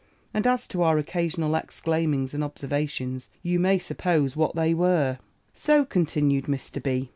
And as to our occasional exclaimings and observations, you may suppose what they were. "So," continued Mr. B.